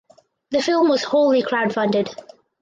The film was wholly crowdfunded.